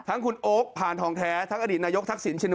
ทั้งคุณโอ๊คผ่านทองแท้ทั้งอดีตนายกทักษิณชิน